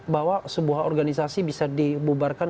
bahwa sebuah organisasi bisa dibubarkan